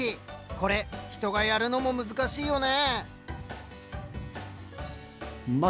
これ人がやるのも難しいよね。